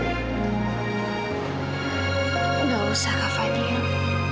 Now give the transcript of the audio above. nggak usah kak fadil